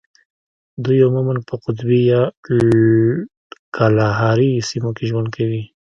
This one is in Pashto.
دوی عموماً په قطبي یا کالاهاري سیمو کې ژوند کوي.